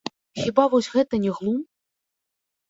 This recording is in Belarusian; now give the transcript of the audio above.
Хіба вось гэта не глум?